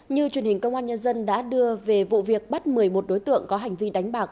như truyền hình công an nhân dân đã đưa về vụ việc bắt một mươi một đối tượng có hành vi đánh bạc